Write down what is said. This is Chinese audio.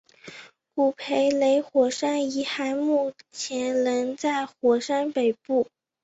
古培雷火山遗骸目前仍在火山北部。